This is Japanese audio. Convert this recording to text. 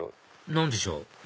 何でしょう？